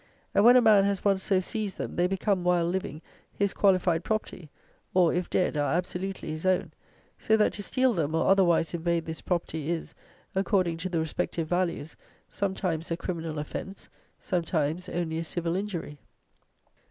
And when a man has once so seized them, they become, while living, his qualified property, or, if dead, are absolutely his own: so that to steal them, or otherwise invade this property, is, according to the respective values, sometimes a criminal offence, sometimes only a civil injury."